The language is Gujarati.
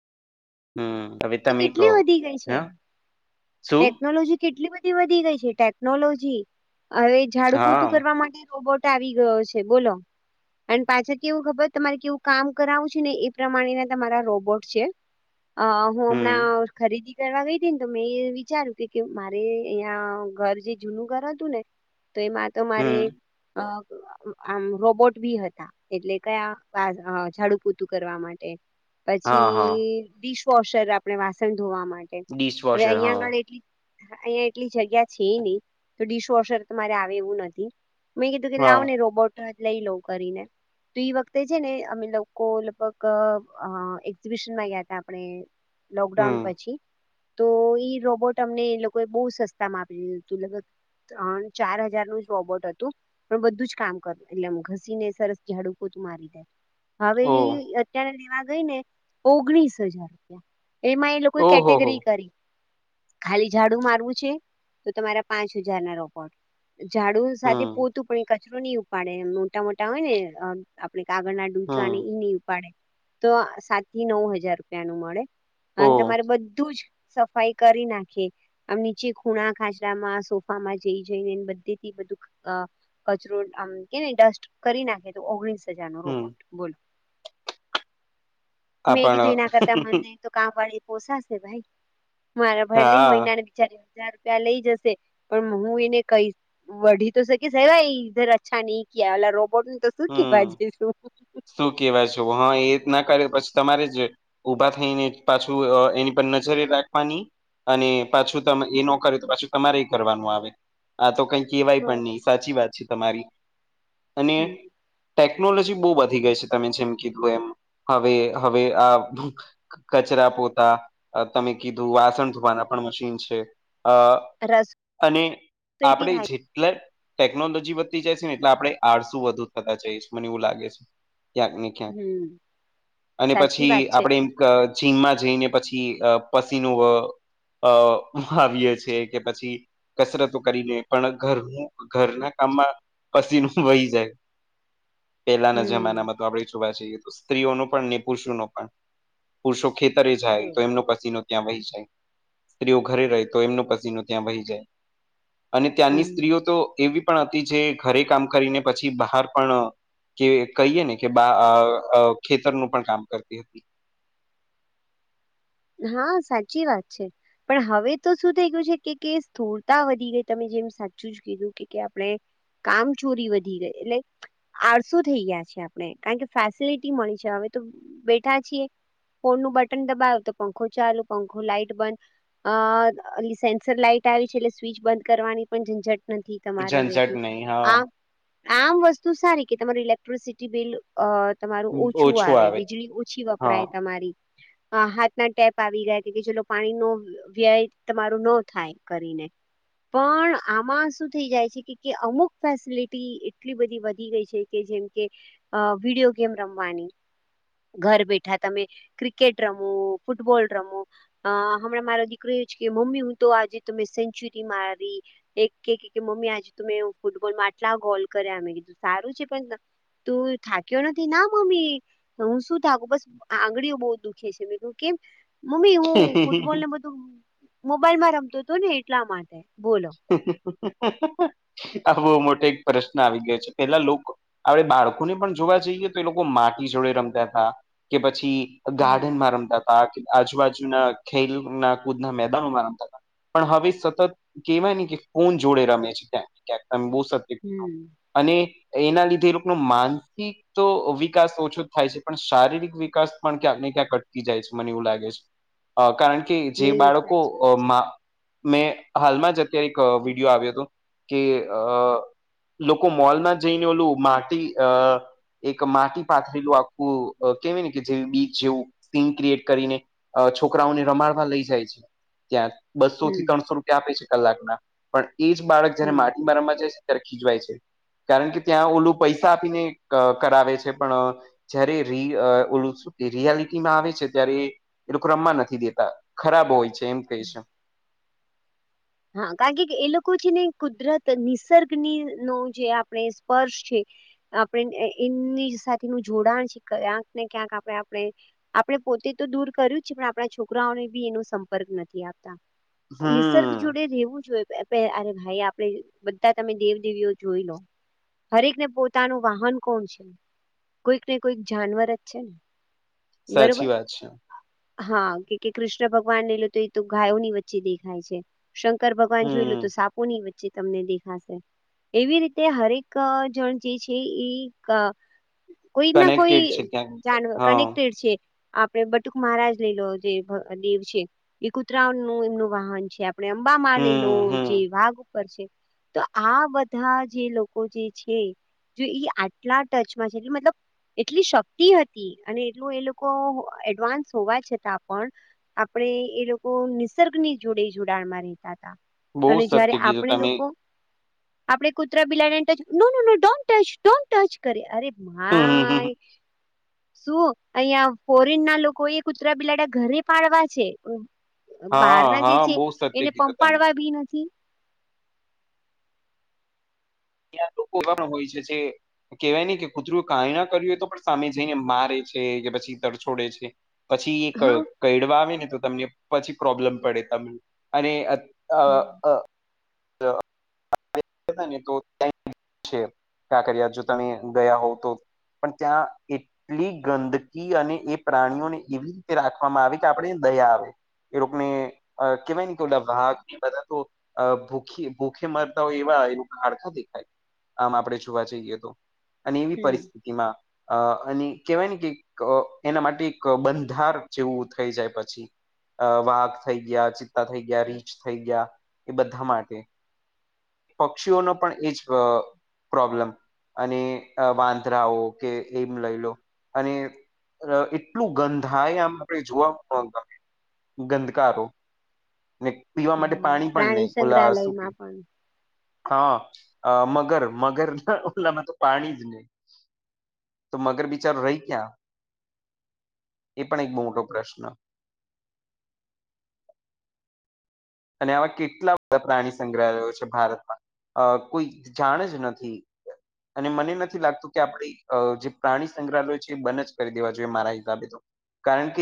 હમ અવે એ તમે કેટલી કહો વધી ગઈ છે શું ટેકનોલોજી કેટલી બધી વધી ગઈ છે ટેકનોલોજી હવે ઝાડુ પોતું હા કરવા માટે રોબોટ આવી ગયો છે બોલો. અને પાછા કે વું ખબર તમારે કેવું કામ કરાવું છે ને એ પ્રમાણેના તમારા રોબોટ છે. [inaudible] અ હું હમ હમણાં ખરીદી કરવા ગઈ હતી ને તો મેં વિચાર્યું કે મારે અહીં યા ઘર જે જૂનું ઘર હતું ને તો એમાં તો મારે હમ આમ રોબોટ બી હતા એટલે કયા ઝાડુ પૂતું કરવા માટે હા હા પછી ડિશવોશર આપણે વાસણ ધોવા માટે હવે ડિશવોશર અહિયાં હા આપણે અહીંયા એટલી જગ્યા છે નહી તો ડિશવોશર તમારે આવે એવું નથી. મેં કીધું કે લાવ હા ને રોબોટ લઈ લઉ કરીને. તો વખતે છે ને અમે લોકો લગભગ એક્ઝિબિશનમાં ગયા તા આપણે. લોકડાઉન હમ પછી તો એઈ રોબોટ તમને એ લોકોએ બહુ સસ્તા મા આપી દીધું હતું લગભગ ત્રણ ચાર હજાર નું જ રોબોટ હતું. પણ બધું જ કામ કર એટલે ઘસીને સરસ ઝાડુ પોતું મારી દે. હવે ઓ ઈ અત્યારે લેવા ગઈ ને ઓગણીસ હજાર! એમાં એ લોકોએ ઓહો હો હો કેટેગરી કરી ખાલી ઝાડુ મારવું છે, તો તમારા પાંચ હજાર ના રોબોટ, ઝાડુ સાથે હમ પોછ પણ કચરો નહી ઉપાડે એમ મોટા મોટા હોય ને આપણે આાગળના અને હમ ઈ નહીં ઉપાડે તો સાત થી નવ હજાર રૂપિયા નું મળે. ઓ અને તમારે બધું જ સફાઈ કરી નાખે. આમ નીચે ખૂણા ખાચરામાં સોફામાં જઈ જઈને બધે થી બધું કચરો આમ કેને ડસ્ટ કરી નાખે તો ઓગણીસ હજાર નો હમ રોબોટ બોલો? આ મેં કીધું પણ એના કરતા મને તો કામવાળી પોસાશે ભાઈ, મારા ભાઈ લઈને હા મહિના ચાર હજાર રૂપિયા લઈ જશે પણ હું એને કહીશ વઢી તો શકીશ. એવાઈ ઇધર અચ્છા નઈ કિયા. ઓલા રોબોટ ને તો શું કેવાય હમ જઈશુ.? શું કેવા જઉં હ એજ ના કરે પછી તમારે જ ઉભા થઈને પાછું અ એની પર નજર એ રાખવાની અને પાછું તમ એ નો કરે તો પાછું તમારે એ કરવાનું આવે. આ તો કઈ કેહેવાય હા. પણ નઈ સાચી વાત છે તમારી અને હમ ટેકનોલોજી બઉ વધી ગઈ છે તમે જેમ કીધું એમ હવે, હવે આ કચરા પોતા અ તમે કીધું વાસણ ધોવાના પણ મશીન છે. અ રસોઈ અને બી આપડે થાય જે એટલે ટેકનોલોજી વધતી જાય છે ને એટલે આપડે આળસુ વધુ થતા જઈશ મને એવું લાગે છે. ક્યાંક ને ક્યાંક હમ અને સાચી પછી વાત છે આપડે ક જીમમાં જઈને પછી અ પસીનું અ અ બહાવીએ છે કે પછી કસરતો કરીને પણ ઘરનું ઘરના કામમાં પસીનું વહી જાય. પેલાના હમ. જમાનામાં તો આપડે જોવા જઈએ તો સ્ત્રીઓનો પણ ને પુરુષોનો પણ પુરુષો ખેતરે જાય તો એમનો પસીનો ત્યાં વહી જાય, સ્ત્રીઓ ઘરે રહે તો એમનો પસીનો ત્યાં વહી જાય. અને ત્યારની હમ સ્ત્રીઓ તો એવી પણ હતી જે ઘરે કામ કરીને પછી બહાર પણ કે કહીએ ને કે બા અ અ ખેતરનું પણ કામ કરતી હતી. હા, સાચી વાત છે. પણ હવે તો શું થઈ ગયું છે? કે કે સ્થૂળતા વધી ગઈ તમે જેમ સાચું જ કીધું કે કે આપણે કામચોરી વધી ગઈ એટલે આળસુ થઈ ગયા છે. આપણે કારણ કે ફેસિલિટી મળી છે. હવે તો બેઠા છીએ ફોનનું બટન દબાવો તો પાંખો ચાલુ પાંખો, લાઈટ બંધ અ ઓલી સેન્સર લાઈટ આવી છે એટલે સ્વિચ બંધ કરવાની પણ ઝંઝટ નથી. તમારે ઝંઝટ રહેતી નહી હા આમ આમ વસ્તુ સારી કે તમારું ઇલેક્ટ્રિસિટી બિલ અ તમારું ઓછું આવે વીજળી ઓછી હા વપરાય તમારી અ ના ટેપ આવી ગયા કે કે ચલો પાણીનો વ્યય તમારો ન થાય કરીને. પણ આમાં શું થઇ જાય છે? કે કે અમુક ફેસિલિટી એટલી બધી વધી ગઈ છે કે જેમકે અ વિડીયો ગેમ રમવાની ઘર બેઠા તમે ક્રિકેટ રમો, ફૂટબોલ રમો અ હમણાં મારો દીકરો એજ કે મમ્મી હું તો આજે તો મે સેન્ચુરી મારી એક કે કે મમ્મી આજે તો મેં ફૂટબોલમાં આટલા ગોલ કર્યા મેં કીધું સારું છે પણ તું થાક્યો નથી ના મમ્મી હું શું થાકું બસ આંગળીઓ બહુ દુખે છે મે ક્યૂં કેમ, મમ્મી હું ફૂટબોલ ને બધ તો મોબાઈલમાં રમતોતો ને એટલા માટે બોલ આ બઉ મોટો એક પ્રશ્ન આવી ગયો છે પેહલાં લોકો અવે બાળકોને પણ જોવા જઈએ તો એ લોકો માટી જોડે રમતાં હતાં કે પછી હમ ગાર્ડનમાં રમતાં આજ આજુબાજુના ખેલના કૂદના મેદાનોમાં રમતા તા પણ હવે સતત કેવાય ને કે ફોન જોડે રમે છે ક્યાંક આમ બઉ સત હમ્મ. અને એના લીધે એ લોકનું માનસિક તો વિકાસ ઓછો જ થાય છે પણ શારીરિક વિકાસ પણ ક્યાંકને ક્યાંક અટકી જાય છે મને એવું લાગે છે. અ કારણ કે જે નહી બાળકો સાચું અ મા મે હાલમાં જ અત્યારે એક વિડીયો આવ્યો તો કે અ લોકો મોલમાં જઈને ઓલું માટી અ એક માટી પાથરેલું આખું અ કહેવાય ને કે જે બીચ જેવું સીન ક્રિએટ કરીને અ છોકરાઓને રમાડવા લઈ જાય છે. ત્યાં બસોથી હમ ત્રણસો રૂપિયા આપે છે કલાકના પણ એજ બાળક જયારે હમ માટીમાં રમવા જાય છે ત્યારે ખીજવાય છે કારણ કે ત્યાં ઓલું પૈસા આપીને અ કરાવે છે પણ જયારે રી અ ઓલું શું કેય રિયાલિટીમાં આવે છે ત્યારે એ લોકો રમવા નથી દેતાં ખરાબ હોય છે એમ કેય છે. હા કારણ કે એ લોકો છે ને કુદરત નિસર્ગનીનો જે આપણે સ્પર્શ છે. આપણે એ એની સાથેનું જોડાણ શી ક્યાંકને ક્યાંક આપણે આપણે આપણે પોતે તો દૂર કર્યું છે પણ આપણાં છોકરાઓને બી એનો સંપર્ક નથી આપતાં. નિસર્ગ હમ જોડે રહેેવું જોઈએ પે પે અરે ભાઈ આપડે બધા તમે દેવ દેવીઓ જોઈ લો. હરેકને પોતાનું વાહન કોણ છે? કોઈક ને કોઈક જાનવર જ છે ને. સાચી બરોબર. વાત છે. હા કે કે કૃષ્ણ ભગવાન લઈ લો એ તો ગાયોની વચ્ચે દેખાય છે. શંકર ભગવાન જોઈ લો તો હમ સાપોની વચ્ચે તમને દેખાશે. એવી રીતે હરેક જણ જે છે ઈ ક કોઈકના કોઈ કનેક્ટેડ છે ક્યાંક ને ક્યાંક જાનવ હા કનેક્ટેડ છે. આપડે બટુક મહારાજ લઈલો જે દેવ છે એ કુતરાઓનું એમનું વાહન છે. આપણે અંબા મા લઈ લો હમ હમ જે વાઘ પર છે તો આ બધા જે લોકો જે છે જો ઈ આટલા ટચમાં છે એટલે મતલબ એટલી શક્તિ હતી અને એટલું એ લોકો એડવાન્સ હોવા છતાં પણ આપણેે એ લોકો નિસર્ગની જોડે જોડાણમાં રેતા હતાં. બહુ અને સત્ય જયારે કીધું આપણે તમે લોકો? આપણે કૂતરા બિલાડીને touch no no no don't touch, don't touch કરીએ, અરે હમ હમ હમ ભાઈ! હમ. શું અહિયાં ફોરેનના લોકોએ કુતરા બિલાડા ઘરે પાડવા છે. હા બહારના જે હા છે બહુ સત્ય એને કીધું તમે પંપાડવા બી નથી. ત્યાં લોકો હારા હોય છે જે કેવાય નહીં કે કુતરું કાય ના કર્યું હોય તો પણ સામે જઈને મારે છે કે પછી તરછોડે છે. પછી એ કય હા. કયડવા આવેને તો તમને પછી પ્રોબ્લેમ પડે તમને અને અ હમ અ ને [inaudible] તો કાકરિયા જો તમે ગયાં હોવ તો. પણ ત્યાં એ ટલી ગંદકી અને એ પ્રાણીઓને એવી રીતે રાખવામાં આવે કે આપણે દયા આવે. એ લોકને કેવાય ને કે ઓલા વાઘ એ બધાં તો અ ભૂખી ભૂખે મરતા હોય એવું એ લોકના હાડકાં દેખાય આમ આપડે જોવા જઈએ તો અને એવી પરિ સ્થિતિમાં અ અને કેવાય ને કે ક એના માટે એક બંધાર જેવું થઈ જાય પછી. અ વાઘ થઈ ગયા, ચિત્તા થઈ ગયા, રીંછ થઈ ગયા એ બધા માટે. પક્ષીઓનો પણ એજ અ પ્રોબ્લેમ અને વાંદરાઓ કે એમ લઈ લો અને અ એટલું ગંધાય આમ આપણે જોવા ન ગમે ગંધકારો ને પીવા માટે હા પાણી પણ નય પ્રાણી ઓલા શું સંગ્રહાલયમાં કેય પણ હા મગર મગર ના ઓલામાં તો પાણી જ નય. તો મગર બિચારો રય ક્યાં એ પણ એક મોટો પ્રશ્ન? અને આવા કેટલા બધા પ્રાણી સંગ્રહાલયો છે ભારતમાં અ કોઈ જાણે જ નથી. અને મને નથી લાગતું કે આપણે ઈ જે પ્રાણી સંગ્રહાલય છે એ બંધ જ કરી દેવા જોઈએ મારા હિસાબે તો. કારણ કે